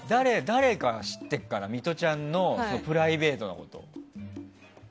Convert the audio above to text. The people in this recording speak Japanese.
誰が知ってるかなミトちゃんのプライベートなこと。